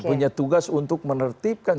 punya tugas untuk menertibkan